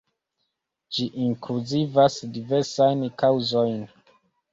Ĝi inkluzivas diversajn kaŭzojn.